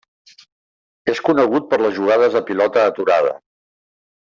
És conegut per les jugades a pilota aturada.